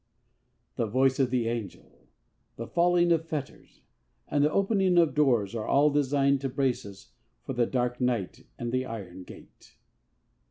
The voice of the angel, the falling of fetters, and the opening of doors are all designed to brace us for the dark night and the iron gate.